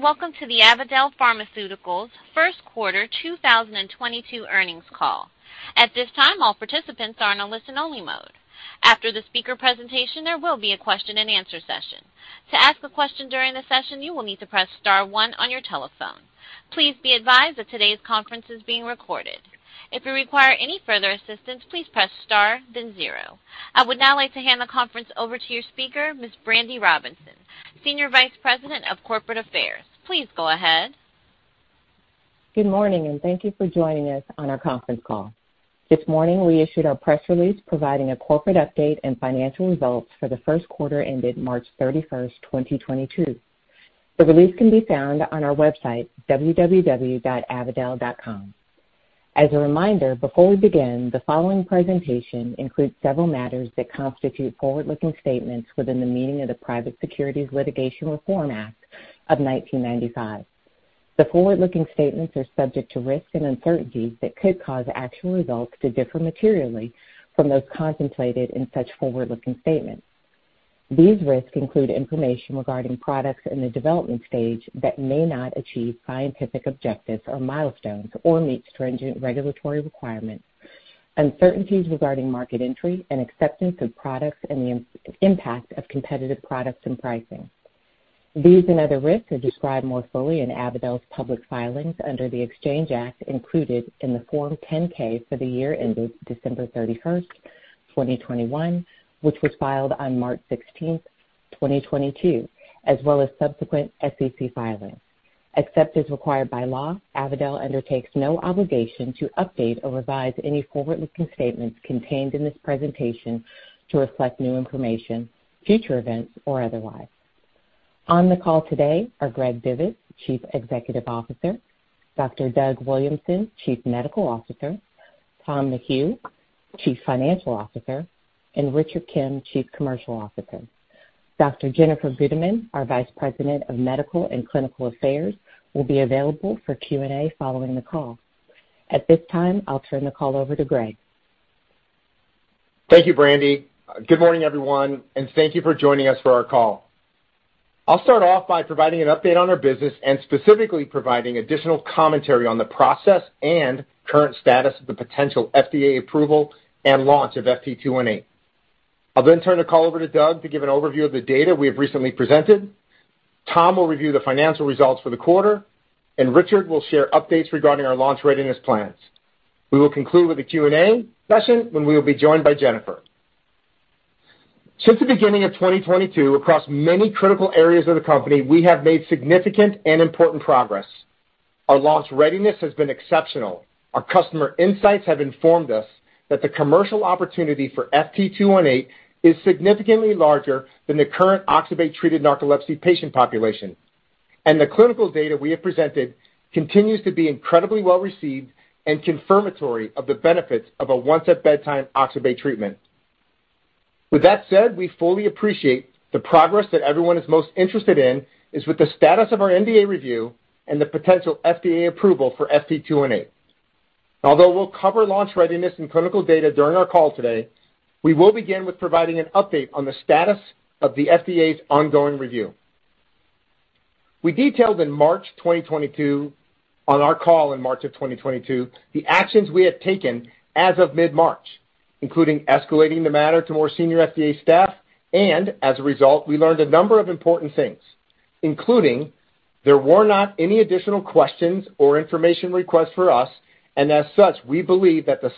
Welcome to the Avadel Pharmaceuticals first quarter 2022 earnings call. At this time, all participants are in a listen-only mode. After the speaker presentation, there will be a question-and-answer session. To ask a question during the session, you will need to press star one on your telephone. Please be advised that today's conference is being recorded. If you require any further assistance, please press star, then zero. I would now like to hand the conference over to your speaker, Ms. Brandi Robinson, Senior Vice President of Corporate Affairs. Please go ahead. Good morning, and thank you for joining us on our conference call. This morning, we issued our press release providing a corporate update and financial results for the first quarter ended March 31st, 2022. The release can be found on our website, www.avadel.com. As a reminder, before we begin, the following presentation includes several matters that constitute forward-looking statements within the meaning of the Private Securities Litigation Reform Act of 1995. The forward-looking statements are subject to risks and uncertainties that could cause actual results to differ materially from those contemplated in such forward-looking statements. These risks include information regarding products in the development stage that may not achieve scientific objectives or milestones or meet stringent regulatory requirements, uncertainties regarding market entry and acceptance of products and the impact of competitive products and pricing. These and other risks are described more fully in Avadel's public filings under the Exchange Act included in the Form 10-K for the year ended December 31st, 2021, which was filed on March 16th, 2022, as well as subsequent SEC filings. Except as required by law, Avadel undertakes no obligation to update or revise any forward-looking statements contained in this presentation to reflect new information, future events, or otherwise. On the call today are Greg Divis, Chief Executive Officer, Dr. Doug Williamson, Chief Medical Officer, Tom McHugh, Chief Financial Officer, and Richard Kim, Chief Commercial Officer. Dr. Jennifer Gudeman, our Vice President of Medical and Clinical Affairs, will be available for Q&A following the call. At this time, I'll turn the call over to Greg. Thank you, Brandi. Good morning, everyone, and thank you for joining us for our call. I'll start off by providing an update on our business and specifically providing additional commentary on the process and current status of the potential FDA approval and launch of FT218. I'll then turn the call over to Doug to give an overview of the data we have recently presented. Tom will review the financial results for the quarter, and Richard will share updates regarding our launch readiness plans. We will conclude with the Q&A session when we will be joined by Jennifer. Since the beginning of 2022, across many critical areas of the company, we have made significant and important progress. Our launch readiness has been exceptional. Our customer insights have informed us that the commercial opportunity for FT218 is significantly larger than the current oxybate-treated narcolepsy patient population, and the clinical data we have presented continues to be incredibly well-received and confirmatory of the benefits of a once-at-bedtime oxybate treatment. With that said, we fully appreciate the progress that everyone is most interested in is with the status of our NDA review and the potential FDA approval for FT218. Although we'll cover launch readiness and clinical data during our call today, we will begin with providing an update on the status of the FDA's ongoing review. We detailed on our call in March of 2022 the actions we had taken as of mid-March, including escalating the matter to more senior FDA staff, and as a result, we learned a number of important things, including there were not any additional questions or information requests for us, and as such, we believe that the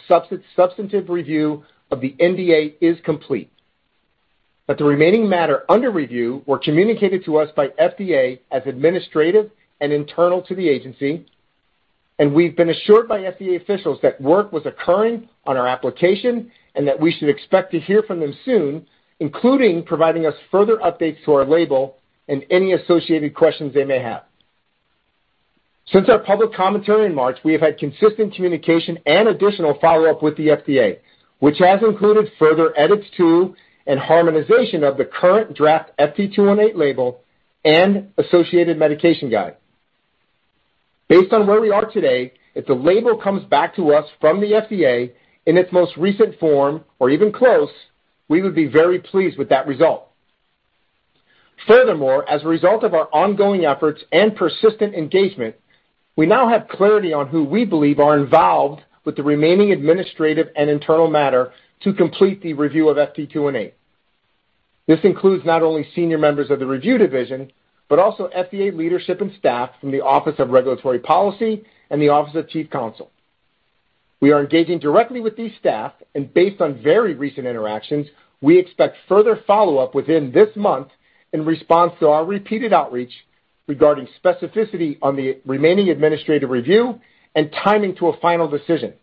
substantive review of the NDA is complete, that the remaining matter under review were communicated to us by FDA as administrative and internal to the agency, and we've been assured by FDA officials that work was occurring on our application and that we should expect to hear from them soon, including providing us further updates to our label and any associated questions they may have. Since our public commentary in March, we have had consistent communication and additional follow-up with the FDA, which has included further edits to and harmonization of the current draft FT218 label and associated medication guide. Based on where we are today, if the label comes back to us from the FDA in its most recent form or even close, we would be very pleased with that result. Furthermore, as a result of our ongoing efforts and persistent engagement, we now have clarity on who we believe are involved with the remaining administrative and internal matter to complete the review of FT218. This includes not only senior members of the review division, but also FDA leadership and staff from the Office of Regulatory Policy and the Office of Chief Counsel. We are engaging directly with these staff, and based on very recent interactions, we expect further follow-up within this month in response to our repeated outreach regarding specificity on the remaining administrative review and timing to a final decision.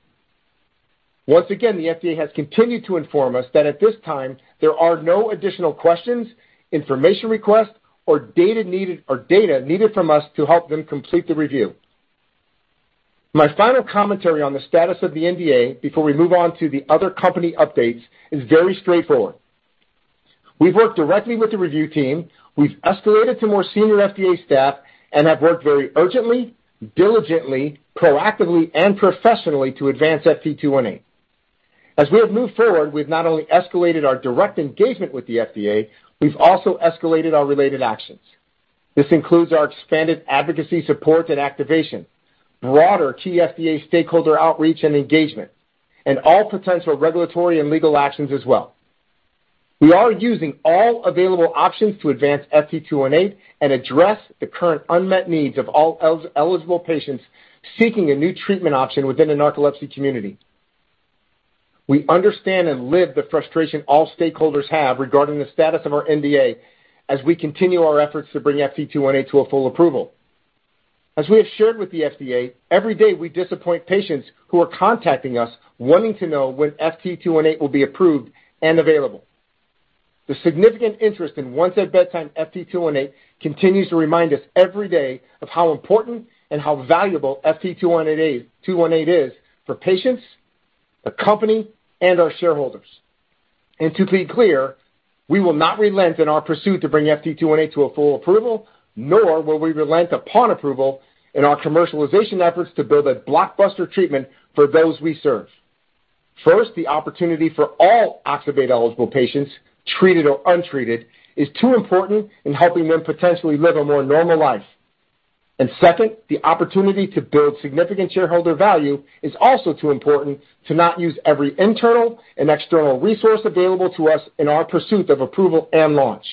Once again, the FDA has continued to inform us that at this time, there are no additional questions, information requests, or data needed from us to help them complete the review. My final commentary on the status of the NDA before we move on to the other company updates is very straightforward. We've worked directly with the review team. We've escalated to more senior FDA staff and have worked very urgently, diligently, proactively, and professionally to advance FT218. As we have moved forward, we've not only escalated our direct engagement with the FDA, we've also escalated our related actions. This includes our expanded advocacy support and activation, broader key FDA stakeholder outreach and engagement, and all potential regulatory and legal actions as well. We are using all available options to advance FT218, and address the current unmet needs of all eligible patients seeking a new treatment option within the narcolepsy community. We understand and live the frustration all stakeholders have regarding the status of our NDA as we continue our efforts to bring FT218 to a full approval. As we have shared with the FDA, every day, we disappoint patients who are contacting us wanting to know when FT218 will be approved and available. The significant interest in once-at-bedtime FT218 continues to remind us every day of how important and how valuable FT218 is for patients, the company, and our shareholders. To be clear, we will not relent in our pursuit to bring FT218 to a full approval, nor will we relent upon approval in our commercialization efforts to build a blockbuster treatment for those we serve. First, the opportunity for all oxybate-eligible patients, treated or untreated, is too important in helping them potentially live a more normal life. Second, the opportunity to build significant shareholder value is also too important to not use every internal and external resource available to us in our pursuit of approval and launch.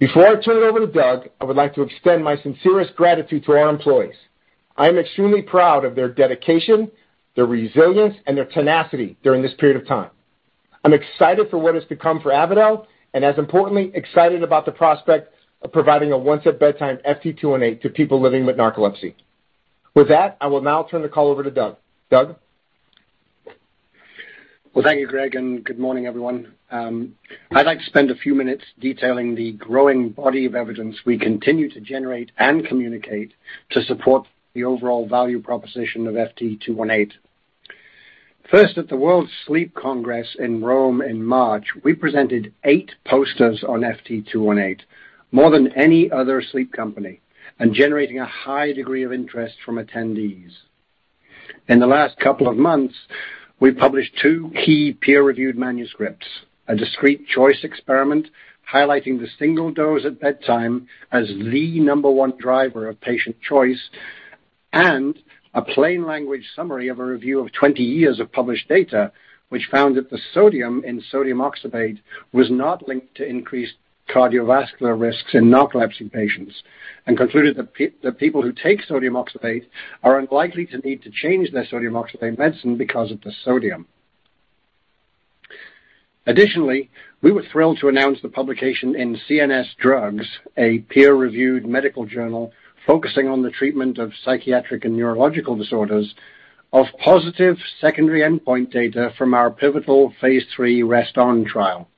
Before I turn it over to Doug, I would like to extend my sincerest gratitude to our employees. I am extremely proud of their dedication, their resilience, and their tenacity during this period of time. I'm excited for what is to come for Avadel and, as importantly, excited about the prospect of providing a once-at-bedtime FT218 to people living with narcolepsy. With that, I will now turn the call over to Doug. Doug? Well, thank you, Greg, and good morning, everyone. I'd like to spend a few minutes detailing the growing body of evidence we continue to generate and communicate to support the overall value proposition of FT218. First, at the World Sleep Congress in Rome in March, we presented eight posters on FT218, more than any other sleep company, and generating a high degree of interest from attendees. In the last couple of months, we've published two key peer-reviewed manuscripts, a discrete choice experiment highlighting the single dose at bedtime as the number one driver of patient choice, and a plain language summary of a review of 20 years of published data, which found that the sodium in sodium oxybate was not linked to increased cardiovascular risks in narcolepsy patients and concluded that that people who take sodium oxybate are unlikely to need to change their sodium oxybate medicine because of the sodium. Additionally, we were thrilled to announce the publication in CNS Drugs, a peer-reviewed medical journal focusing on the treatment of psychiatric and neurological disorders, of positive secondary endpoint data from our pivotal phase III REST-ON trial.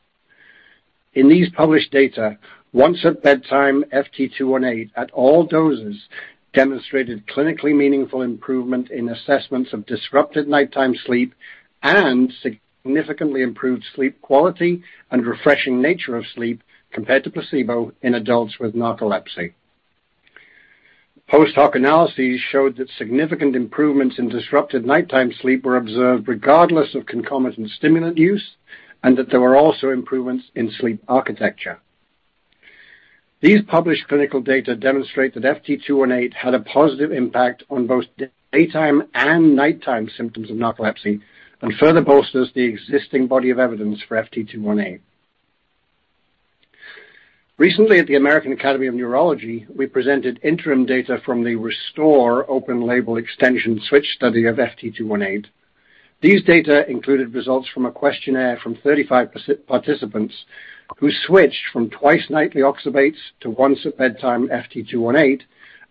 In these published data, once-at-bedtime FT218 at all doses demonstrated clinically meaningful improvement in assessments of disrupted nighttime sleep and significantly improved sleep quality and refreshing nature of sleep compared to placebo in adults with narcolepsy. Post-hoc analyses showed that significant improvements in disrupted nighttime sleep were observed regardless of concomitant stimulant use and that there were also improvements in sleep architecture. These published clinical data demonstrate that FT218 had a positive impact on both daytime and nighttime symptoms of narcolepsy and further bolsters the existing body of evidence for FT218. Recently, at the American Academy of Neurology, we presented interim data from the RESTORE open-label extension switch study of FT218. These data included results from a questionnaire from 35% participants who switched from twice-nightly oxybates to once-at-bedtime FT218,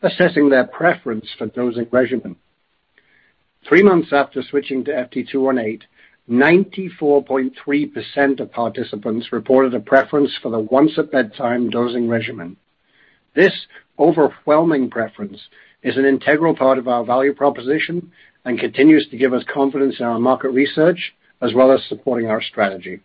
assessing their preference for dosing regimen. Three months after switching to FT218, 94.3% of participants reported a preference for the once-at-bedtime dosing regimen. This overwhelming preference is an integral part of our value proposition, and continues to give us confidence in our market research, as well as supporting our strategy.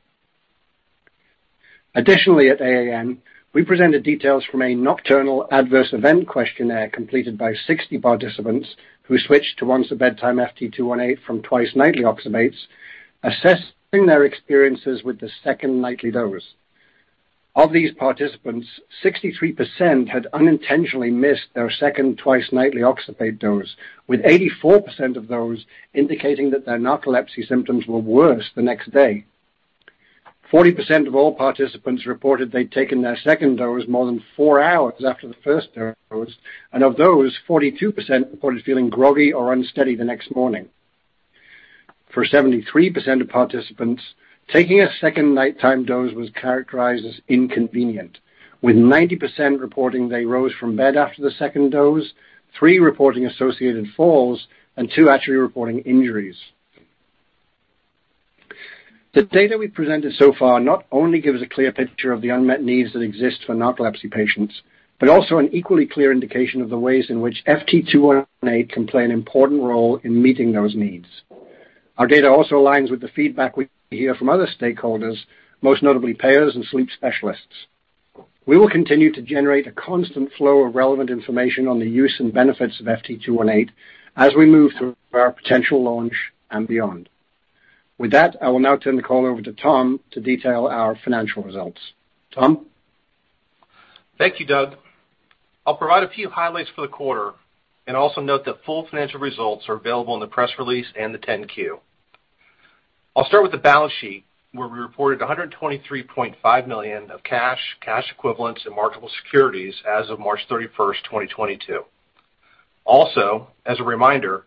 Additionally, at AAN, we presented details from a nocturnal adverse event questionnaire completed by 60 participants who switched to once-at-bedtime FT218 from twice-nightly oxybates, assessing their experiences with the second nightly dose. Of these participants, 63% had unintentionally missed their second twice-nightly oxybate dose, with 84% of those indicating that their narcolepsy symptoms were worse the next day. 40% of all participants reported they'd taken their second dose more than four hours after the first dose, and of those, 42% reported feeling groggy or unsteady the next morning. For 73% of participants, taking a second nighttime dose was characterized as inconvenient, with 90% reporting they rose from bed after the second dose, three reporting associated falls, and two actually reporting injuries. The data we've presented so far not only gives a clear picture of the unmet needs that exist for narcolepsy patients, but also an equally clear indication of the ways in which FT218 can play an important role in meeting those needs. Our data also aligns with the feedback we hear from other stakeholders, most notably payers and sleep specialists. We will continue to generate a constant flow of relevant information on the use and benefits of FT218 as we move through our potential launch and beyond. With that, I will now turn the call over to Tom to detail our financial results. Tom. Thank you, Doug. I'll provide a few highlights for the quarter, and also note that full financial results are available in the press release and the 10-Q. I'll start with the balance sheet, where we reported $123.5 million of cash equivalents and marketable securities as of March 31st, 2022. Also, as a reminder,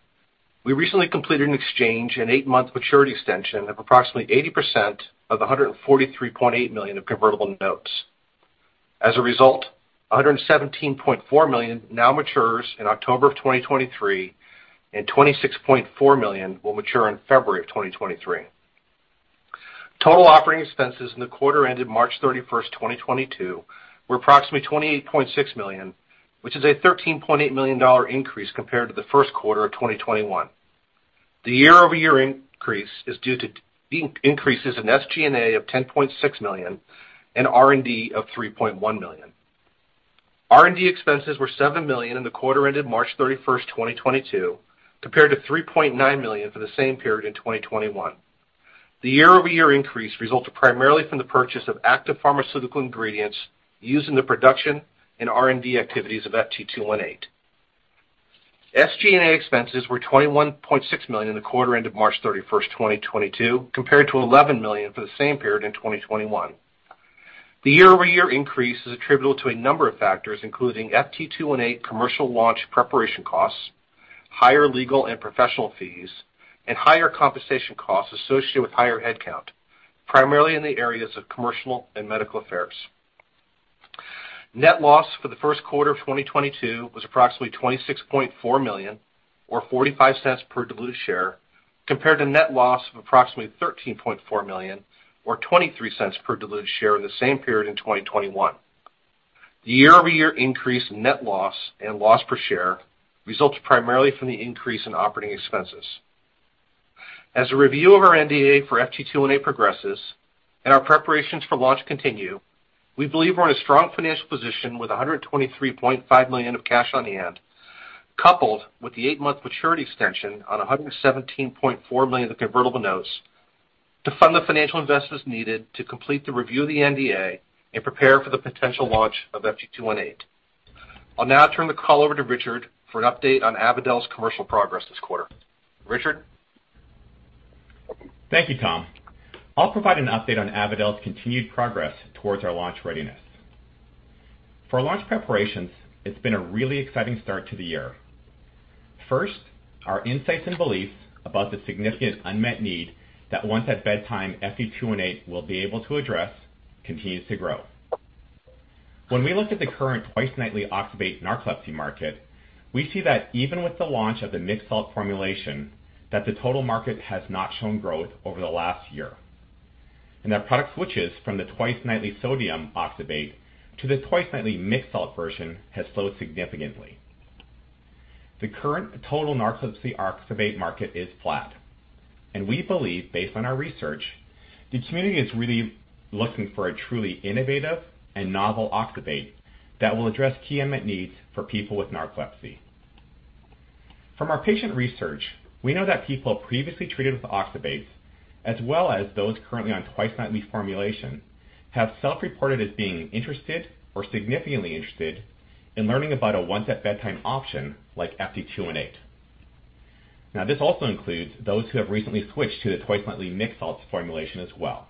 we recently completed an exchange and eight-month maturity extension of approximately 80% of the $143.8 million of convertible notes. As a result, $117.4 million now matures in October 2023, and $26.4 million will mature in February 2023. Total operating expenses in the quarter ended March 31st, 2022 were approximately $28.6 million, which is a $13.8 million increase compared to the first quarter of 2021. The year-over-year increase is due to the increases in SG&A of $10.6 million and R&D of $3.1 million. R&D expenses were $7 million in the quarter ended March 31st, 2022, compared to $3.9 million for the same period in 2021. The year-over-year increase resulted primarily from the purchase of active pharmaceutical ingredients used in the production and R&D activities of FT218. SG&A expenses were $21.6 million in the quarter ended March 31st, 2022, compared to $11 million for the same period in 2021. The year-over-year increase is attributable to a number of factors, including FT218 commercial launch preparation costs, higher legal and professional fees, and higher compensation costs associated with higher headcount, primarily in the areas of commercial and medical affairs. Net loss for the first quarter of 2022 was approximately $26.4 million, or $0.45 per diluted share, compared to net loss of approximately $13.4 million, or $0.23 per diluted share in the same period in 2021. The year-over-year increase in net loss and loss per share results primarily from the increase in operating expenses. As a review of our NDA for FT218 progresses and our preparations for launch continue, we believe we're in a strong financial position with $123.5 million of cash on hand, coupled with the eight-month maturity extension on $117.4 million of convertible notes to fund the financial investments needed to complete the review of the NDA and prepare for the potential launch of FT218. I'll now turn the call over to Richard for an update on Avadel's commercial progress this quarter. Richard. Thank you, Tom. I'll provide an update on Avadel's continued progress towards our launch readiness. For launch preparations, it's been a really exciting start to the year. First, our insights and beliefs about the significant unmet need that once at bedtime, FT218 will be able to address continues to grow. When we look at the current twice-nightly oxybate narcolepsy market, we see that even with the launch of the mixed salt formulation, that the total market has not shown growth over the last year, and that product switches from the twice-nightly sodium oxybate to the twice-nightly mixed salt version has slowed significantly. The current total narcolepsy oxybate market is flat, and we believe, based on our research, the community is really looking for a truly innovative and novel oxybate that will address key unmet needs for people with narcolepsy. From our patient research, we know that people previously treated with oxybates, as well as those currently on twice-nightly formulation, have self-reported as being interested or significantly interested in learning about a once-at-bedtime option like FT218. Now, this also includes those who have recently switched to the twice-nightly mixed salts formulation as well.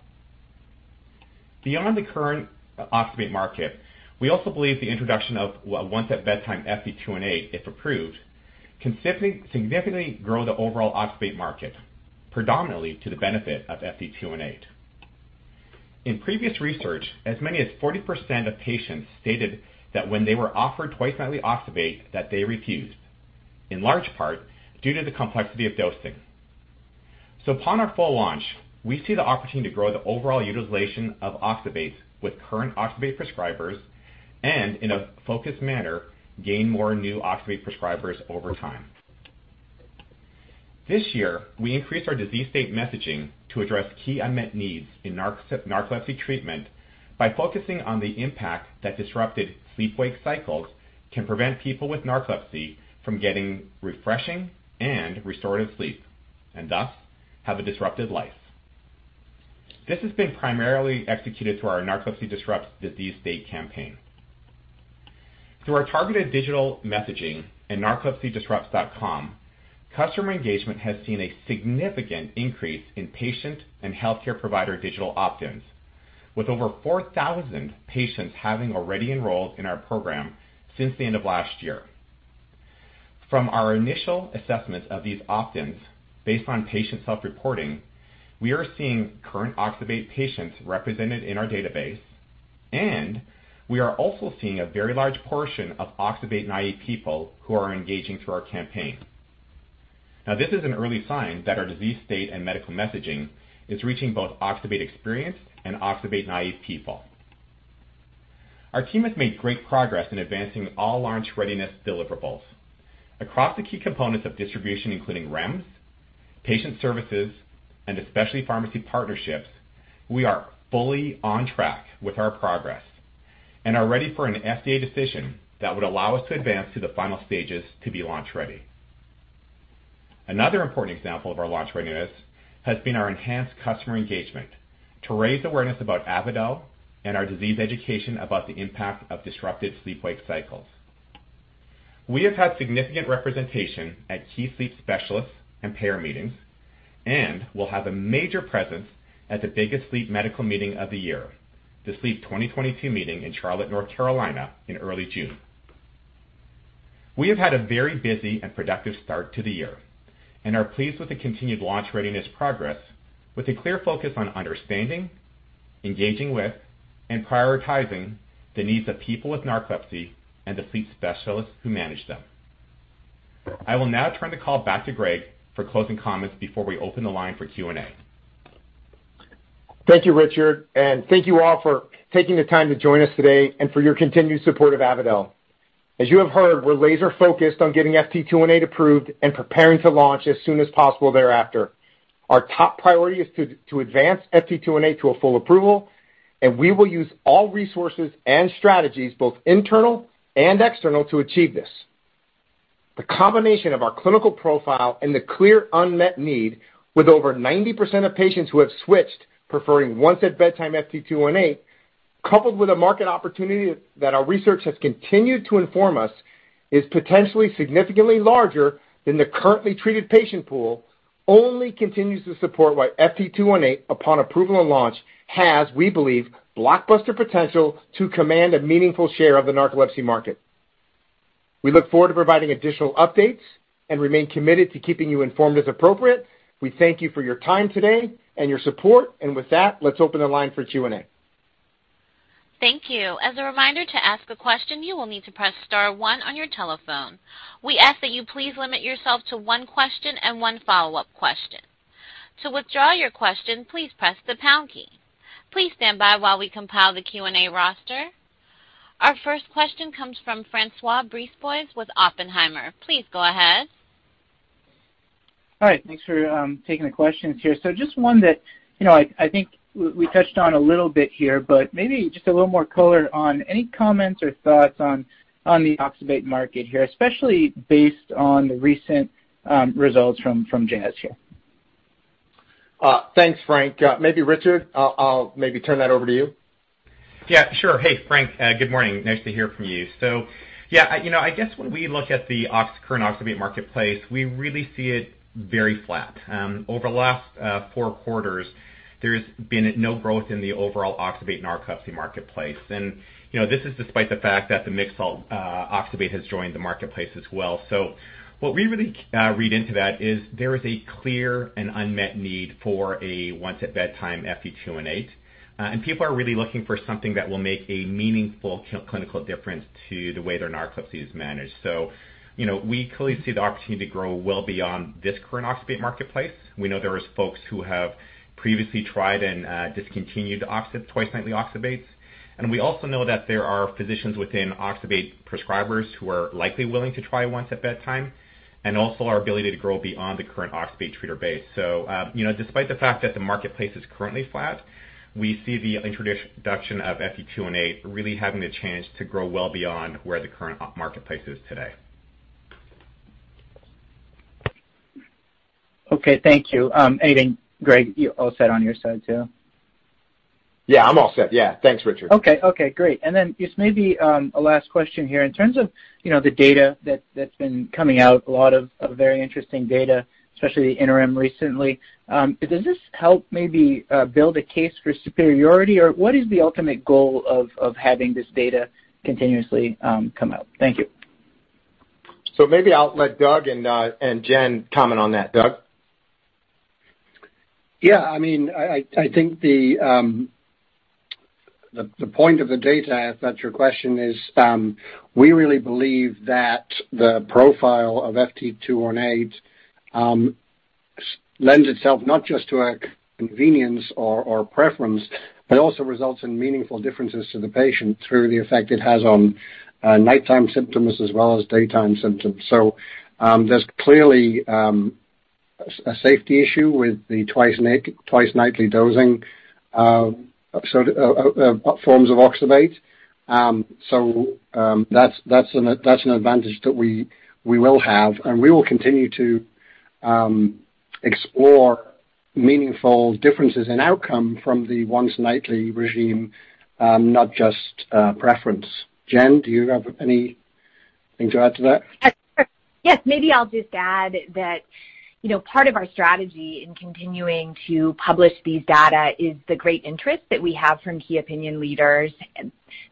Beyond the current oxybate market, we also believe the introduction of once at bedtime FT218, if approved, can significantly grow the overall oxybate market predominantly to the benefit of FT218. In previous research, as many as 40% of patients stated that when they were offered twice-nightly oxybate that they refused, in large part due to the complexity of dosing. Upon our full launch, we see the opportunity to grow the overall utilization of oxybates with current oxybate prescribers and in a focused manner, gain more new oxybate prescribers over time. This year, we increased our disease state messaging to address key unmet needs in narcolepsy treatment by focusing on the impact that disrupted sleep-wake cycles can prevent people with narcolepsy from getting refreshing and restorative sleep, and thus have a disrupted life. This has been primarily executed through our Narcolepsy Disrupts disease state campaign. Through our targeted digital messaging and narcolepsydisrupts.com, customer engagement has seen a significant increase in patient and healthcare provider digital opt-ins, with over 4,000 patients having already enrolled in our program since the end of last year. From our initial assessments of these opt-ins based on patient self-reporting, we are seeing current oxybate patients represented in our database, and we are also seeing a very large portion of oxybate-naïve people who are engaging through our campaign. Now, this is an early sign that our disease state and medical messaging is reaching both oxybate experienced and oxybate-naïve people. Our team has made great progress in advancing all launch readiness deliverables across the key components of distribution, including REMS patient services, and especially pharmacy partnerships. We are fully on track with our progress and are ready for an FDA decision that would allow us to advance to the final stages to be launch ready. Another important example of our launch readiness has been our enhanced customer engagement to raise awareness about Avadel, and our disease education about the impact of disrupted sleep-wake cycles. We have had significant representation at key sleep specialists and payer meetings, and we'll have a major presence at the biggest sleep medical meeting of the year, the SLEEP 2022 meeting in Charlotte, North Carolina, in early June. We have had a very busy and productive start to the year and are pleased with the continued launch readiness progress with a clear focus on understanding, engaging with, and prioritizing the needs of people with narcolepsy and the sleep specialists who manage them. I will now turn the call back to Greg for closing comments before we open the line for Q&A. Thank you, Richard, and thank you all for taking the time to join us today and for your continued support of Avadel. As you have heard, we're laser-focused on getting FT218 approved and preparing to launch as soon as possible thereafter. Our top priority is to advance FT218 to a full approval, and we will use all resources and strategies, both internal and external, to achieve this. The combination of our clinical profile and the clear unmet need with over 90% of patients who have switched preferring once at bedtime FT218, coupled with a market opportunity that our research has continued to inform us, is potentially significantly larger than the currently treated patient pool only continues to support why FT218, upon approval and launch, has, we believe, blockbuster potential to command a meaningful share of the narcolepsy market. We look forward to providing additional updates and remain committed to keeping you informed as appropriate. We thank you for your time today and your support. With that, let's open the line for Q&A. Thank you. As a reminder to ask a question, you will need to press star one on your telephone. We ask that you please limit yourself to one question and one follow-up question. To withdraw your question, please press the pound key. Please stand by while we compile the Q&A roster. Our first question comes from François Brisebois with Oppenheimer. Please go ahead. All right, thanks for taking the questions here. Just one that, I think we touched on a little bit here, but maybe just a little more color on any comments or thoughts on the oxybate market here, especially based on the recent results from Jazz here. Thanks, François. Maybe Richard, I'll maybe turn that over to you. Yeah, sure. Hey, François, good morning. Nice to hear from you. Yeah, I guess when we look at the current oxybate marketplace, we really see it very flat. Over the last four quarters, there's been no growth in the overall oxybate narcolepsy marketplace. This is despite the fact that the mixed salt oxybate has joined the marketplace as well. What we really read into that is there is a clear and unmet need for a once at bedtime FT218. People are really looking for something that will make a meaningful clinical difference to the way their narcolepsy is managed. We clearly see the opportunity to grow well beyond this current oxybate marketplace. We know there is folks who have previously tried and discontinued twice-nightly oxybates. We also know that there are physicians within oxybate prescribers who are likely willing to try once at bedtime, and also our ability to grow beyond the current oxybate treater base. Despite the fact that the marketplace is currently flat, we see the introduction of FT218 really having the chance to grow well beyond where the current marketplace is today. Okay. Thank you. Greg, you all set on your side too? Yeah, I'm all set. Yeah. Thanks, Richard. Okay, great. Just maybe a last question here. In terms of the data that's been coming out, a lot of very interesting data, especially the interim recently, does this help maybe build a case for superiority? Or what is the ultimate goal of having this data continuously come out? Thank you. Maybe I'll let Doug and Jen comment on that. Doug? Yeah, I mean, I think the point of the data, if that's your question is, we really believe that the profile of FT218 lends itself not just to a convenience or preference, but also results in meaningful differences to the patient through the effect it has on nighttime symptoms as well as daytime symptoms. There's clearly a safety issue with the twice nightly dosing forms of oxybate. That's an advantage that we will have, and we will continue to explore meaningful differences in outcome from the once nightly regimen, not just preference. Jennifer, do you have any things to add to that? Yes. Maybe I'll just add that part of our strategy in continuing to publish these data is the great interest that we have from key opinion leaders.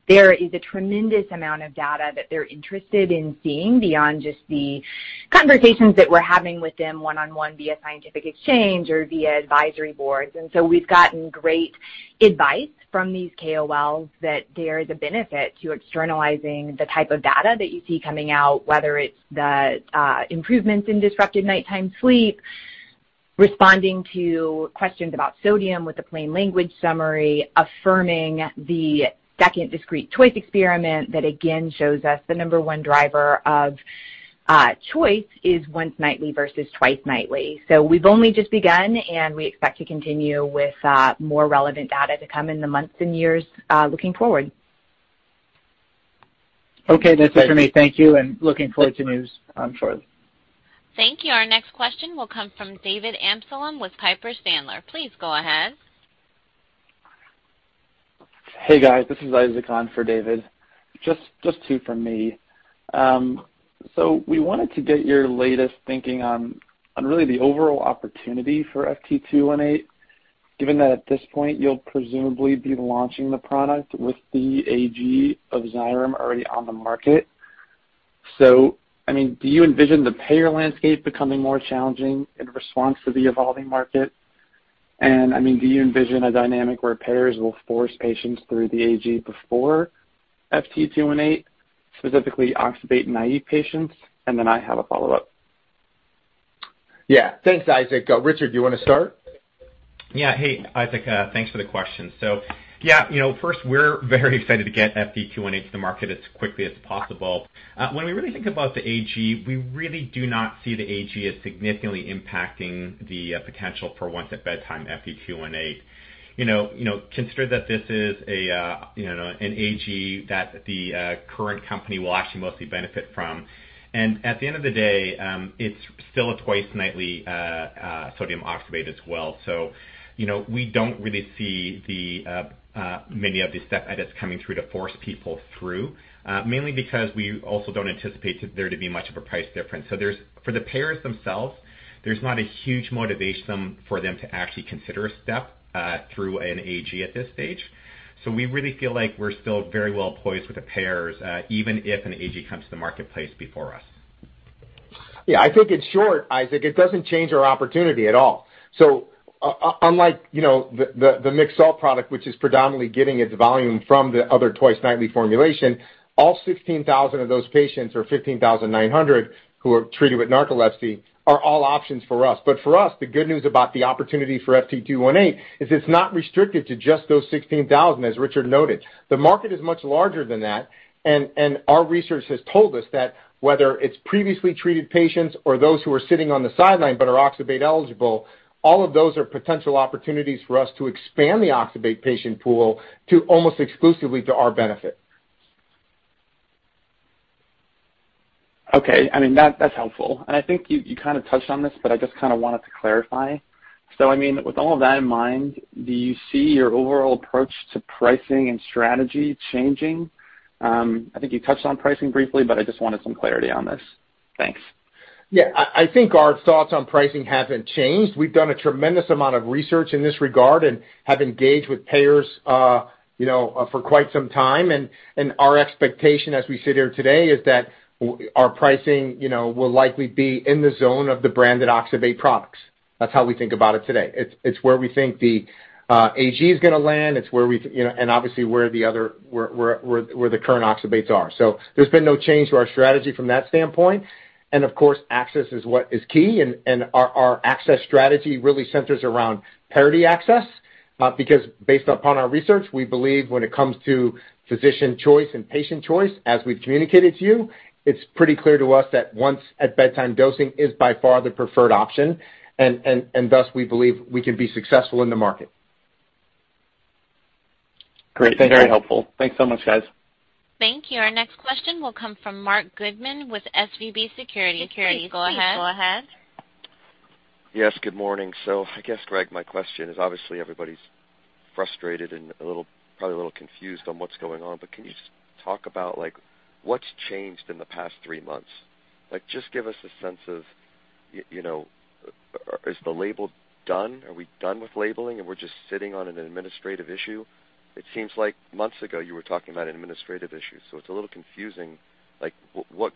There is a tremendous amount of data that they're interested in seeing beyond just the conversations that we're having with them one-on-one via scientific exchange or via advisory boards. We've gotten great advice from these KOLs that there is a benefit to externalizing the type of data that you see coming out, whether it's the improvements in disrupted nighttime sleep, responding to questions about sodium with the plain language summary, affirming the second discrete choice experiment that again shows us the number one driver of choice is once nightly versus twice nightly. We've only just begun, and we expect to continue with more relevant data to come in the months and years looking forward. Okay. That's it for me. Thank you, and looking forward to news, shortly. Thank you. Our next question will come from David Amsellem with Piper Sandler. Please go ahead. Hey, guys. This is Isaac on for David. Just two from me. We wanted to get your latest thinking on really the overall opportunity for FT218, given that at this point you'll presumably be launching the product with the AG of Xyrem already on the market. I mean, do you envision the payer landscape becoming more challenging in response to the evolving market? I mean, do you envision a dynamic where payers will force patients through the AG before FT218, specifically oxybate naive patients? Then I have a follow-up. Yeah. Thanks, Isaac. Richard, do you want to start? Yeah. Hey, Isaac, thanks for the question. Yeah, first, we're very excited to get FT218 to the market as quickly as possible. When we really think about the AG, we really do not see the AG as significantly impacting the potential for once at bedtime FT218. Consider that this is an AG that the current company will actually mostly benefit from. At the end of the day, it's still a twice nightly sodium oxybate as well. We don't really see the many of the stuff that's coming through to force people through, mainly because we also don't anticipate there to be much of a price difference. For the payers themselves, there's not a huge motivation for them to actually consider a step through an AG at this stage. We really feel like we're still very well poised with the payers, even if an AG comes to the marketplace before us. Yeah. I think in short, Isaac, it doesn't change our opportunity at all. The mixed salt product, which is predominantly getting its volume from the other twice nightly formulation, all 16,000 of those patients or 15,900 who are treated with narcolepsy are all options for us. For us, the good news about the opportunity for FT218 is it's not restricted to just those 16,000, as Richard noted. The market is much larger than that, and our research has told us that whether it's previously treated patients or those who are sitting on the sideline but are oxybate-eligible, all of those are potential opportunities for us to expand the oxybate patient pool to almost exclusively to our benefit. Okay. I mean, that's helpful. I think you kinda touched on this, but I just kinda wanted to clarify. I mean, with all of that in mind, do you see your overall approach to pricing and strategy changing? I think you touched on pricing briefly, but I just wanted some clarity on this. Thanks. Yeah. I think our thoughts on pricing haven't changed. We've done a tremendous amount of research in this regard and have engaged with payers for quite some time. Our expectation as we sit here today is that our pricing will likely be in the zone of the branded oxybate products. That's how we think about it today. It's where we think the AG is gonna land. ANd obviously where the other, where the current oxybates are. There's been no change to our strategy from that standpoint. Of course, access is what is key, and our access strategy really centers around parity access, because based upon our research, we believe when it comes to physician choice and patient choice, as we've communicated to you, it's pretty clear to us that once at bedtime dosing is by far the preferred option, and thus we believe we can be successful in the market. Great. Very helpful. Thanks so much, guys. Thank you. Our next question will come from Marc Goodman with SVB Securities. Go ahead. Yes, good morning. I guess, Greg, my question is obviously everybody's frustrated and a little probably a little confused on what's going on, but can you just talk about, like, what's changed in the past three months. Like, just give us a sense of, is the label done. Are we done with labeling and we're just sitting on an administrative issue. It seems like months ago you were talking about administrative issues, so it's a little confusing. Like, what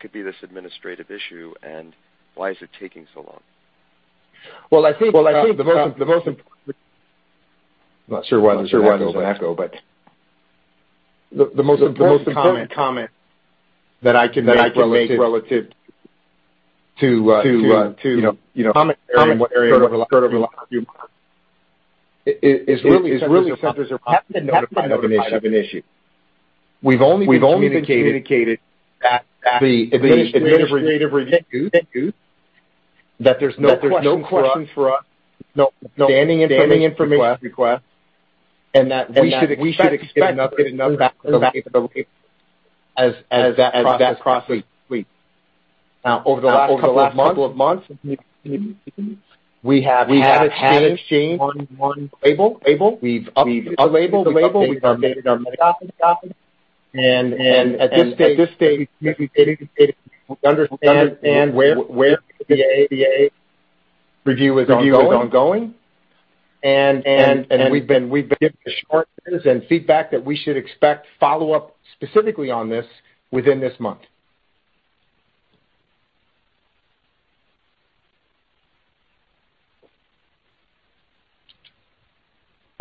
could be this administrative issue and why is it taking so long. Well, I think not sure why there's an echo, but the most important comment that I can make relative to comment area over the last few months is really centers around haven't been notified of an issue. We've only been communicated that the administrative review, that there's no questions for us, no standing information requests, and that we should expect to get another back in the mail as that process completes. Now over the last couple of months, we have had exchange on one label. We've updated the label, we've updated our medical office. At this stage, we understand where the FDA review is ongoing, and we've been given assurances and feedback that we should expect follow-up specifically on this within this month.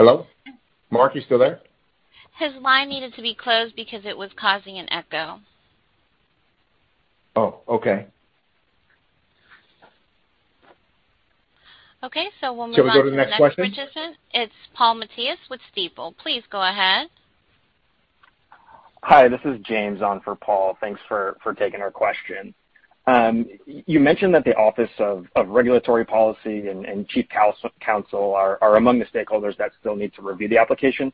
Hello? Marc, you still there? His line needed to be closed because it was causing an echo. Oh, okay. Okay, we'll move on to the next participant. Should we go to the next question? It's Paul Matteis with Stifel. Please go ahead. Hi, this is James on for Paul. Thanks for taking our question. You mentioned that the Office of Regulatory Policy and Chief Counsel are among the stakeholders that still need to review the application.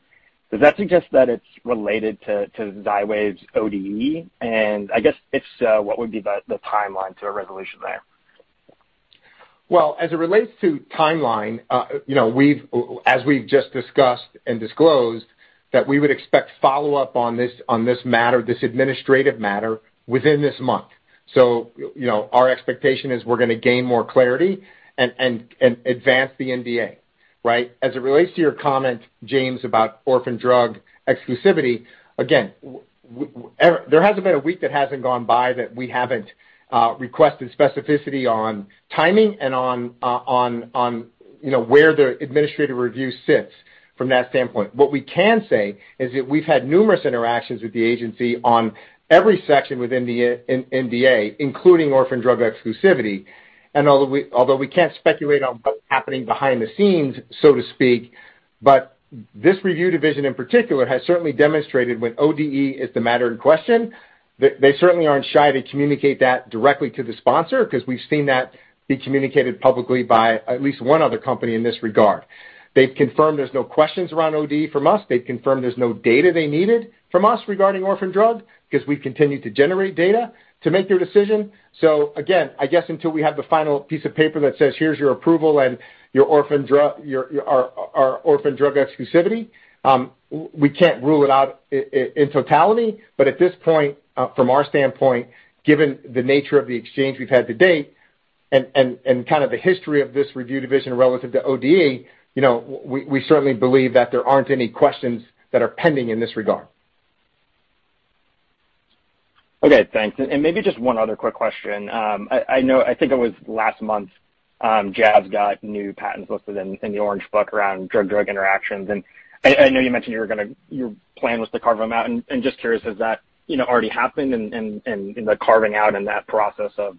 Does that suggest that it's related to Xywav's ODE? I guess if so, what would be the timeline to a resolution there? Well, as it relates to timeline, as we've just discussed and disclosed, that we would expect follow-up on this, on this matter, this administrative matter within this month. Our expectation is we're gonna gain more clarity and advance the NDA, right? As it relates to your comment, James, about orphan drug exclusivity, again, there hasn't been a week that hasn't gone by that we haven't requested specificity on timing and on where the administrative review sits from that standpoint. What we can say is that we've had numerous interactions with the agency on every section within the NDA, including orphan drug exclusivity. Although we can't speculate on what's happening behind the scenes, so to speak, but this review division in particular has certainly demonstrated when ODE is the matter in question, they certainly aren't shy to communicate that directly to the sponsor, 'cause we've seen that be communicated publicly by at least one other company in this regard. They've confirmed there's no questions around ODE from us. They've confirmed there's no data they needed from us regarding orphan drug, 'cause we continue to generate data to make their decision. Again, I guess until we have the final piece of paper that says, "Here's your approval and your orphan drug exclusivity," we can't rule it out in totality. At this point, from our standpoint, given the nature of the exchange we've had to date and kind of the history of this review division relative to ODE, we certainly believe that there aren't any questions that are pending in this regard. Okay, thanks. Maybe just one other quick question. I know, I think it was last month, Jazz got new patents listed in the Orange Book around drug-drug interactions. I know you mentioned you were gonna, your plan was to carve them out. Just curious, has that already happened and the carving out and that process of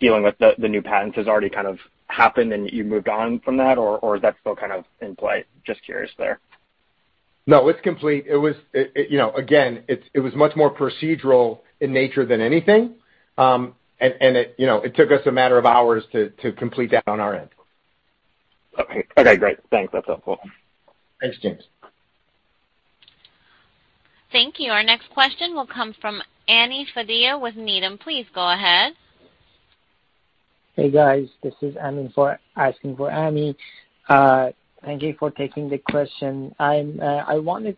dealing with the new patents already kind of happened and you moved on from that or is that still kind of in play? Just curious there. No, it's complete. It was much more procedural in nature than anything. It took us a matter of hours to complete that on our end. Okay. Okay, great. Thanks. That's helpful. Thanks, James. Thank you. Our next question will come from Ami Fadia with Needham. Please go ahead. Hey, guys, this is Amin, asking for Ami. Thank you for taking the question. I wanted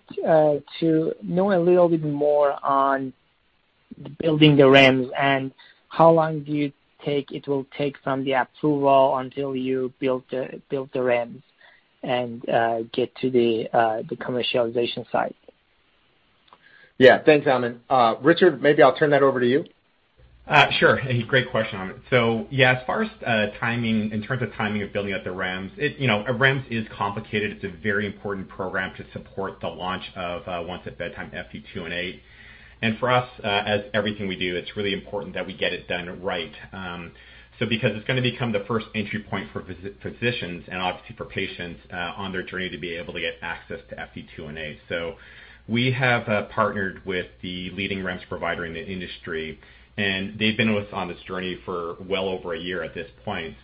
to know a little bit more on building the REMS and how long it will take from the approval until you build the REMS and get to the commercialization side? Yeah. Thanks, Amin. Richard, maybe I'll turn that over to you. Sure. Great question, Amin. Yeah, as far as timing, in terms of timing of building out the REMS is complicated. It's a very important program to support the launch of once at bedtime FT218. For us, as everything we do, it's really important that we get it done right. Because it's gonna become the first entry point for physicians and obviously for patients on their journey to be able to get access to FT218. We have partnered with the leading REMS provider in the industry, and they've been with us on this journey for well over a year at this point.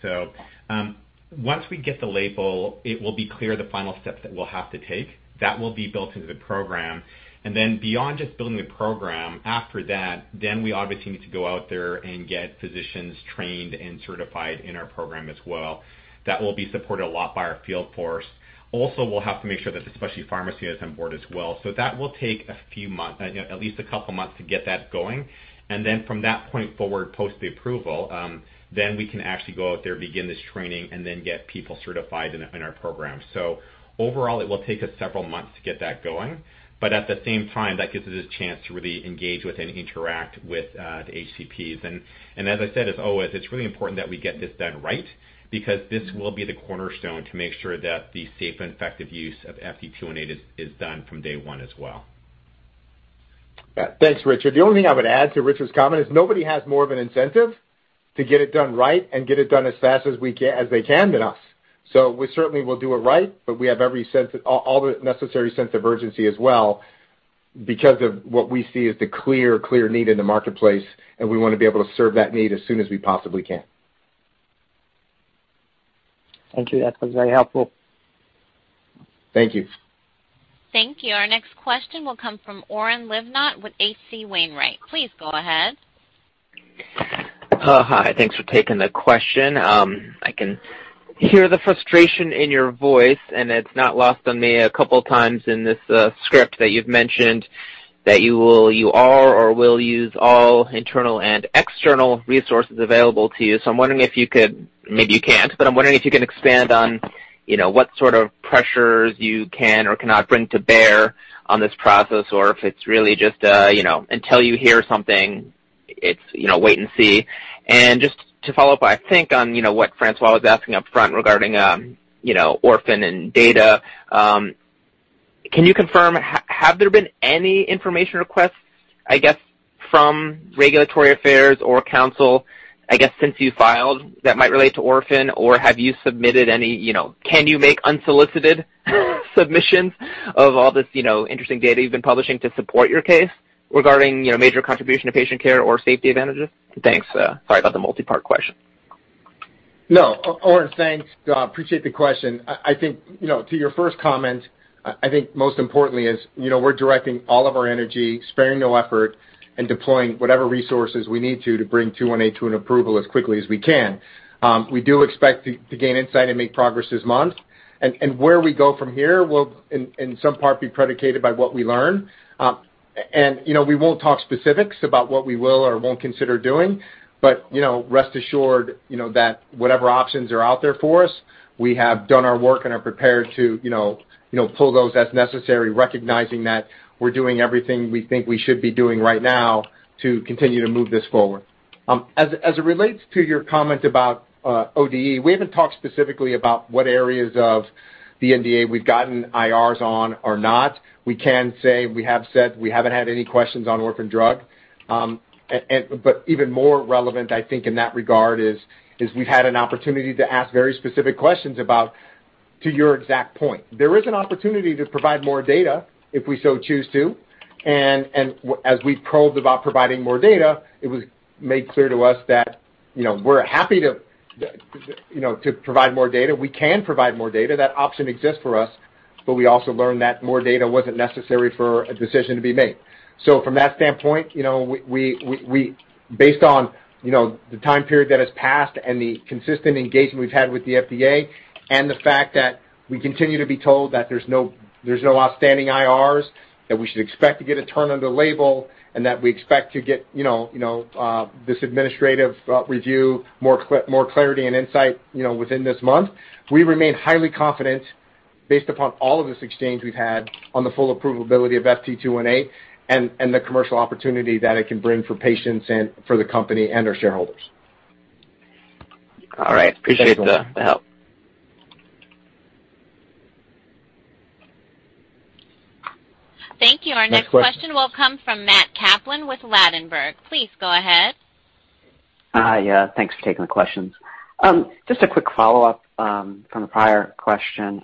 Once we get the label, it will be clear the final steps that we'll have to take. That will be built into the program. Then beyond just building the program, after that, we obviously need to go out there and get physicians trained and certified in our program as well. That will be supported a lot by our field force. Also, we'll have to make sure that especially pharmacy is on board as well. That will take a few months at least a couple months to get that going. From that point forward, post the approval, we can actually go out there, begin this training, and get people certified in our program. Overall, it will take us several months to get that going, but at the same time, that gives us a chance to really engage with and interact with the HCPs. As I said, as always, it's really important that we get this done right because this will be the cornerstone to make sure that the safe and effective use of FT218 is done from day one as well. Yeah. Thanks, Richard. The only thing I would add to Richard's comment is nobody has more of an incentive to get it done right and get it done as fast as we can, as they can than us. We certainly will do it right, but we have every sense, all the necessary sense of urgency as well because of what we see as the clear need in the marketplace, and we wanna be able to serve that need as soon as we possibly can. Thank you. That was very helpful. Thank you. Thank you. Our next question will come from Oren Livnat with H.C. Wainwright. Please go ahead. Hi. Thanks for taking the question. I can hear the frustration in your voice, and it's not lost on me a couple times in this script that you've mentioned that you will, you are or will use all internal and external resources available to you. I'm wondering if you could, maybe you can't, but I'm wondering if you can expand on what sort of pressures you can or cannot bring to bear on this process, or if it's really just until you hear something, it's wait and see. Just to follow up, I think on what François was asking up front regarding orphan and data. Can you confirm, have there been any information requests, I guess, from regulatory affairs or counsel, I guess, since you filed that might relate to orphan? Have you submitted any? Can you make unsolicited submissions of all this interesting data you've been publishing to support your case regarding major contribution to patient care or safety advantages? Thanks. Sorry about the multi-part question. No, Oren, thanks. Appreciate the question. I think to your first comment, I think most importantly is we're directing all of our energy, sparing no effort, and deploying whatever resources we need to bring FT218 to an approval as quickly as we can. We do expect to gain insight and make progress this month. Where we go from here will in some part be predicated by what we learn. We won't talk specifics about what we will or won't consider doing. Rest assured that whatever options are out there for us, we have done our work and are prepared to pull those as necessary, recognizing that we're doing everything we think we should be doing right now to continue to move this forward. As it relates to your comment about ODE, we haven't talked specifically about what areas of the NDA we've gotten IRs on or not. We can say we have said we haven't had any questions on orphan drug, but even more relevant, I think, in that regard is we've had an opportunity to ask very specific questions about to your exact point. There is an opportunity to provide more data if we so choose to. As we probed about providing more data, it was made clear to us that we're happy to know, to provide more data. We can provide more data. That option exists for us, but we also learned that more data wasn't necessary for a decision to be made. From that standpoint, we based on the time period that has passed and the consistent engagement we've had with the FDA and the fact that we continue to be told that there's no outstanding IRs, that we should expect to get a turnaround on the label, and that we expect to get this administrative review more clarity and insight within this month, we remain highly confident based upon all of this exchange we've had on the full approvability of FT218 and the commercial opportunity that it can bring for patients and for the company and our shareholders. All right. Appreciate the help. Thank you Oren. Our next question will come from Matt Kaplan with Ladenburg. Please go ahead. Hi. Thanks for taking the questions. Just a quick follow-up from the prior question.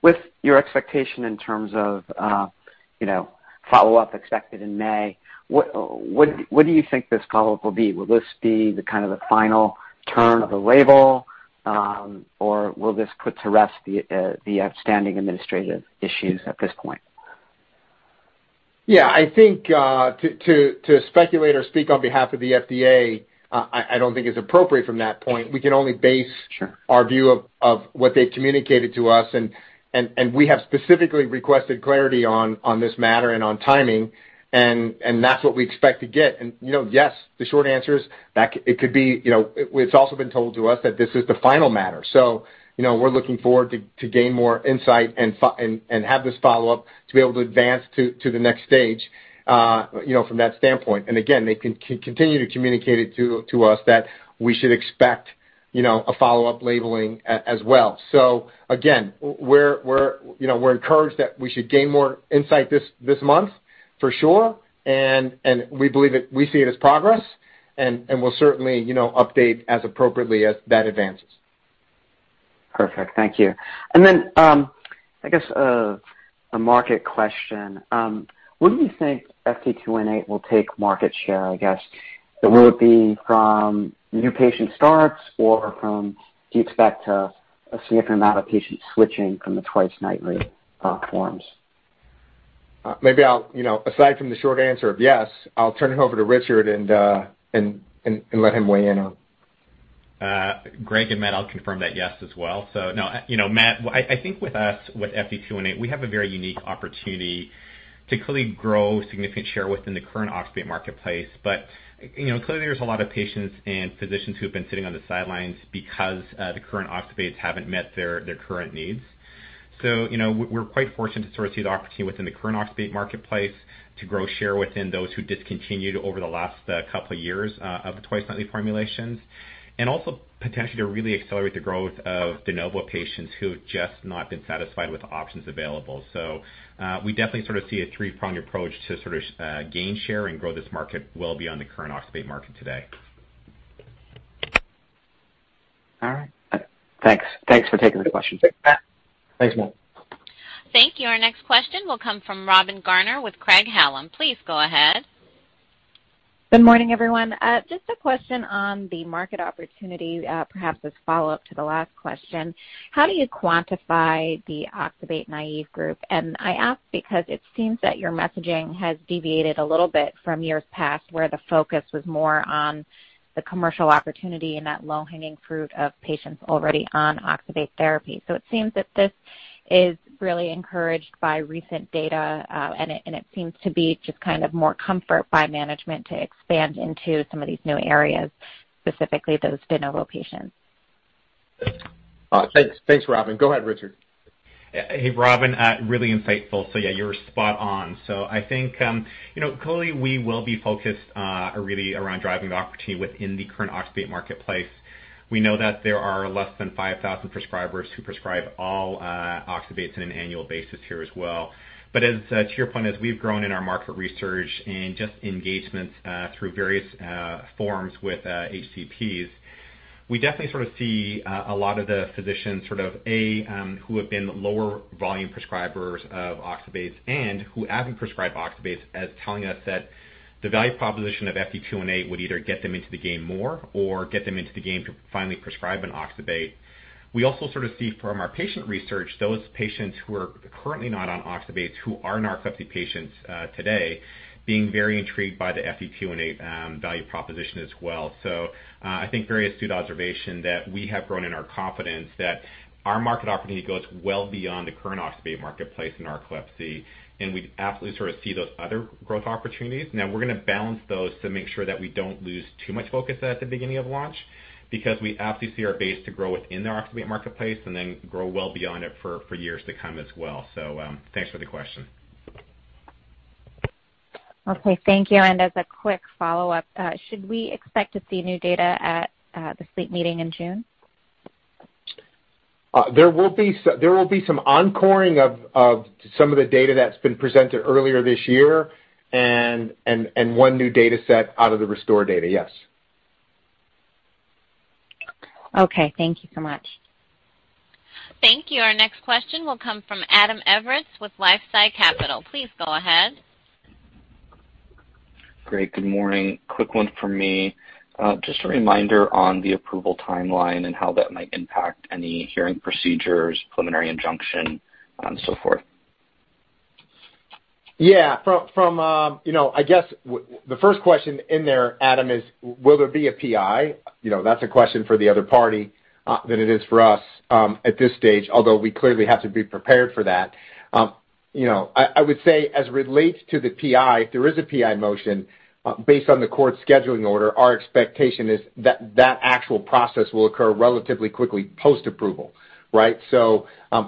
With your expectation in terms of follow-up expected in May, what do you think this follow-up will be? Will this be the kind of the final turn of the label, or will this put to rest the outstanding administrative issues at this point? Yeah. I think, to speculate or speak on behalf of the FDA, I don't think is appropriate from that point. We can only base our view of what they communicated to us. We have specifically requested clarity on this matter and on timing, and that's what we expect to get. Yes, the short answer is that it could be. It's also been told to us that this is the final matter. We're looking forward to gain more insight and have this follow-up to be able to advance to the next stage from that standpoint. Again, they continue to communicate it to us that we should expect a follow-up labeling as well. Again, we're encouraged that we should gain more insight this month, for sure. We believe it. We see it as progress, and we'll certainly update as appropriately as that advances. Perfect. Thank you. I guess, a market question. What do you think FT218 will take market share, I guess? Will it be from new patient starts, or do you expect a significant amount of patients switching from the twice-nightly forms? Maybe aside from the short answer of yes, I'll turn it over to Richard and let him weigh in on. Greg and Matt, I'll confirm that yes as well. No Matt, I think with FT218, we have a very unique opportunity to clearly grow significant share within the current oxybate marketplace. Clearly there's a lot of patients and physicians who have been sitting on the sidelines because the current oxybates haven't met their current needs. We're quite fortunate to sort of see the opportunity within the current oxybate marketplace to grow share within those who discontinued over the last couple of years of twice nightly formulations. Also potentially to really accelerate the growth of de novo patients who have just not been satisfied with options available. We definitely sort of see a three-pronged approach to sort of gain, share, and grow this market well beyond the current oxybate market today. All right. Thanks for taking the question. Thanks, Matt. Thank you. Our next question will come from Robin Garner with Craig-Hallum. Please go ahead. Good morning, everyone. Just a question on the market opportunity, perhaps as follow-up to the last question. How do you quantify the oxybate naive group? I ask because it seems that your messaging has deviated a little bit from years past, where the focus was more on the commercial opportunity and that low-hanging fruit of patients already on oxybate therapy. It seems that this is really encouraged by recent data, and it seems to be just kind of more comfort by management to expand into some of these new areas, specifically those de novo patients. Thanks. Thanks, Robin. Go ahead, Richard. Hey, Robin, really insightful. Yeah, you're spot on. I think clearly we will be focused really around driving the opportunity within the current oxybate marketplace. We know that there are less than 5,000 prescribers who prescribe all oxybates on an annual basis here as well. To your point, as we've grown in our market research and just engagements through various forums with HCPs, we definitely sort of see a lot of the physicians sort of who have been lower volume prescribers of oxybates and who haven't prescribed oxybates telling us that the value proposition of FT218 would either get them into the game more or get them into the game to finally prescribe an oxybate. We also sort of see from our patient research, those patients who are currently not on oxybates, who are narcolepsy patients, today, being very intrigued by the FT218 value proposition as well. I think very astute observation that we have grown in our confidence that our market opportunity goes well beyond the current oxybate marketplace in narcolepsy, and we absolutely sort of see those other growth opportunities. Now we're gonna balance those to make sure that we don't lose too much focus at the beginning of launch because we absolutely see our base to grow within the oxybate marketplace and then grow well beyond it for years to come as well. Thanks for the question. Okay, thank you. As a quick follow-up, should we expect to see new data at the sleep meeting in June? There will be some encoreing of some of the data that's been presented earlier this year and one new dataset out of the RESTORE data, yes. Okay, thank you so much. Thank you. Our next question will come from Adam Evert with LifeSci Capital. Please go ahead. Great, good morning. Quick one from me. Just a reminder on the approval timeline and how that might impact any hearing procedures, preliminary injunction, so forth. Yeah. From I guess, the first question in there, Adam is, will there be a PI? That's a question for the other party than it is for us at this stage, although we clearly have to be prepared for that. I would say as it relates to the PI, if there is a PI motion based on the court scheduling order, our expectation is that actual process will occur relatively quickly post-approval, right?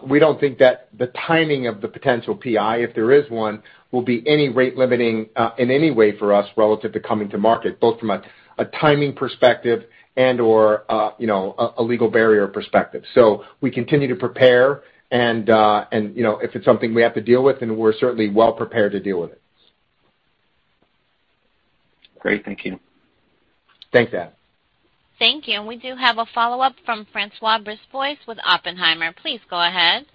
We don't think that the timing of the potential PI, if there is one, will be any rate limiting in any way for us relative to coming to market, both from a timing perspective and/or a legal barrier perspective. We continue to prepare and if it's something we have to deal with, then we're certainly well prepared to deal with it. Great. Thank you. Thanks, Adam. Thank you. We do have a follow-up from François Brisebois with Oppenheimer. Please go ahead.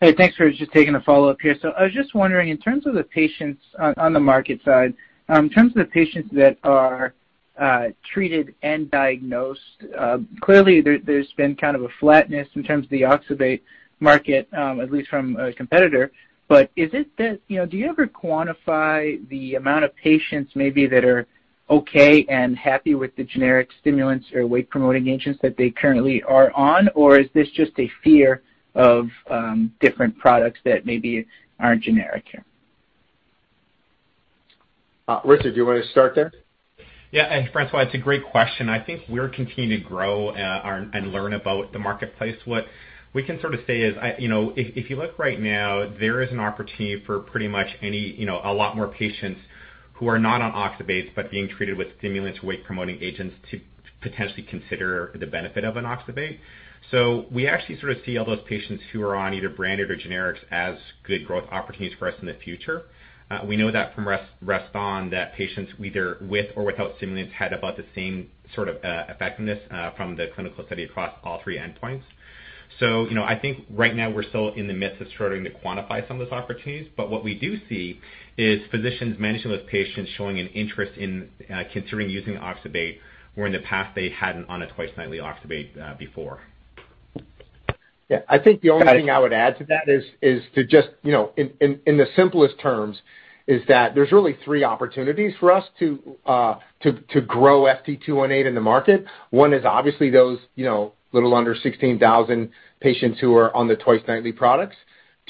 Hey, thanks for just taking a follow-up here. I was just wondering, in terms of the patients on the market side, in terms of the patients that are treated and diagnosed, clearly there's been kind of a flatness in terms of the oxybate market, at least from a competitor. But is it that do you ever quantify the amount of patients maybe that are okay and happy with the generic stimulants or wake-promoting agents that they currently are on, or is this just a fear of different products that maybe aren't generic here? Richard, do you wanna start there? Yeah. François, it's a great question. I think we're continuing to grow our and learn about the marketplace. What we can sort of say is if you look right now, there is an opportunity for pretty much any. A lot more patients who are not on oxybates, but being treated with stimulants, wake-promoting agents to potentially consider the benefit of an oxybate. We actually sort of see all those patients who are on either branded or generics as good growth opportunities for us in the future. We know that from REST-ON that patients either with or without stimulants had about the same sort of effectiveness from the clinical study across all three endpoints. I think right now we're still in the midst of starting to quantify some of those opportunities, but what we do see is physicians managing those patients showing an interest in considering using oxybate, where in the past they hadn't on a twice-nightly oxybate before. Yeah. I think the only thing I would add to that is to just in the simplest terms, that there's really three opportunities for us to grow FT218 in the market. One is obviously those just under 16,000 patients who are on the twice-nightly products.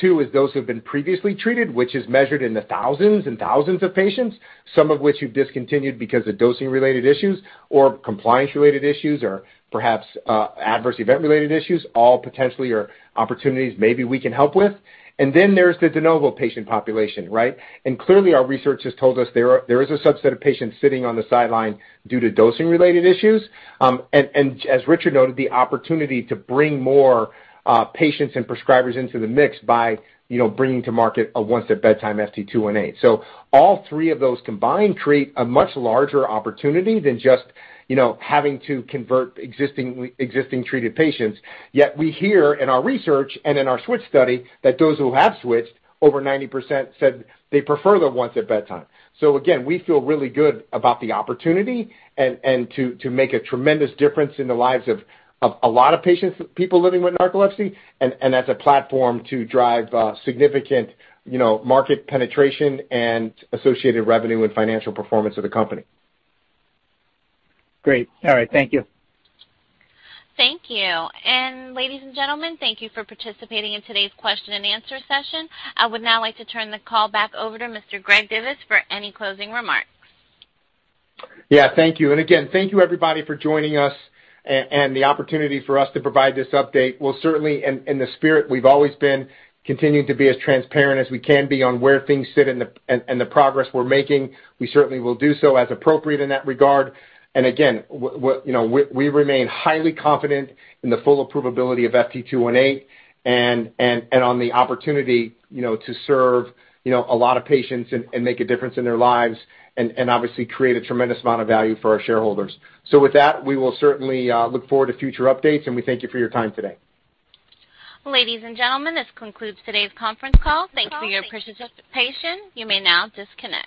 Two is those who have been previously treated, which is measured in the thousands and thousands of patients, some of which who've discontinued because of dosing related issues or compliance related issues or perhaps adverse event related issues, all potentially are opportunities maybe we can help with. Then there's the de novo patient population, right? Clearly our research has told us there is a subset of patients sitting on the sideline due to dosing related issues. As Richard noted, the opportunity to bring more patients and prescribers into the mix by bringing to market a once-at-bedtime FT218. All three of those combined create a much larger opportunity than just having to convert existing treated patients. Yet we hear in our research and in our switch study that those who have switched, over 90% said they prefer the once at bedtime. We feel really good about the opportunity and to make a tremendous difference in the lives of a lot of patients, people living with narcolepsy and as a platform to drive significant market penetration and associated revenue and financial performance of the company. Great. All right. Thank you. Thank you. Ladies and gentlemen, thank you for participating in today's question and answer session. I would now like to turn the call back over to Mr. Greg Divis for any closing remarks. Yeah, thank you. Again, thank you everybody for joining us and the opportunity for us to provide this update. We'll certainly, in the spirit we've always been, continuing to be as transparent as we can be on where things sit and the progress we're making. We certainly will do so as appropriate in that regard. Again, what we remain highly confident in the full approvability of FT218 and on the opportunity to serve a lot of patients and make a difference in their lives and obviously create a tremendous amount of value for our shareholders. With that, we will certainly look forward to future updates, and we thank you for your time today. Ladies and gentlemen, this concludes today's conference call. Thank you for your participation. You may now disconnect.